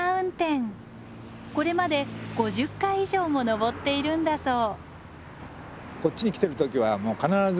これまで５０回以上も登っているんだそう。